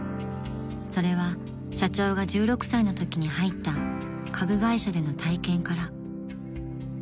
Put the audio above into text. ［それは社長が１６歳のときに入った家具会社での体験から］